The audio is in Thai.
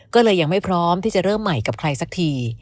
ก็เลยยังไม่พร้อมที่จะเริ่มใหม่กับใครสักที